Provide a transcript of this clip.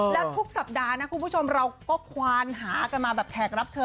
แล้วทุกสัปดาห์นะคุณผู้ชมเราก็ควานหากันมาแบบแขกรับเชิญ